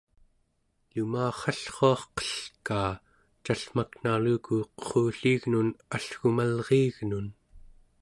lumarrallruar qelkaa callmaknaluku qerrulliignun allgumalriignun